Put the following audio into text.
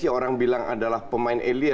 ini sih orang bilang adalah pemain alien